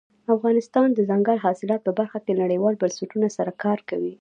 افغانستان د دځنګل حاصلات په برخه کې نړیوالو بنسټونو سره کار کوي.